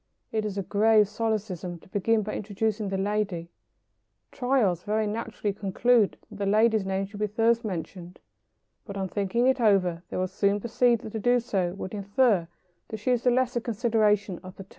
It is a grave solecism to begin by introducing the lady. Tyros very naturally conclude that the lady's name should be first mentioned; but on thinking it over they will soon perceive that to do so would infer that she is the lesser consideration of the two.